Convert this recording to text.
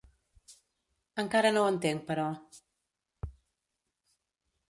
Encara no ho entenc, però.